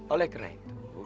oleh karena itu